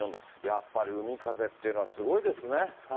やっぱり海風っていうのはすごいですね。